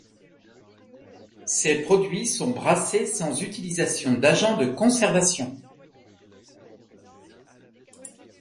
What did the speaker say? Ses produits sont brassés sans utilisation d'agents de conservation.